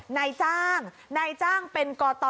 นายจ้างนายจ้างเป็นกต